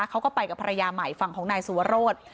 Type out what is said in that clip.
เขาก็ไปกับภรรยาใหม่ฝั่งของนายสุวรส